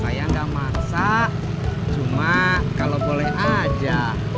saya gak maksa cuma kalau boleh aja